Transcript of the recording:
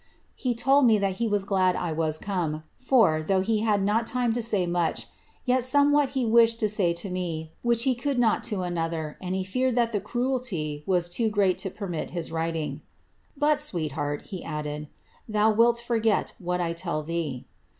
^■*^ He told me that hi glad I was come, for, though he had not time to say much, yet, i what he wished to say to me, which he could not to another, an had feared ^the cruelty' was too mat to permit his writing. * sweetheart,^ he added, ^ thou wilt foiget what I tell thee.'